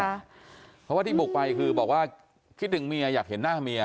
เพราะว่าที่บุกไปคือบอกว่าคิดถึงเมียอยากเห็นหน้าเมีย